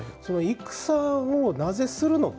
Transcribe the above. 戦をなぜ、するのか。